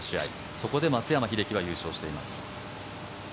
そこで松山英樹は優勝しています。